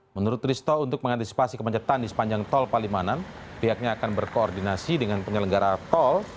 menurut risto untuk mengantisipasi kemacetan di sepanjang tol palimanan pihaknya akan berkoordinasi dengan penyelenggara tol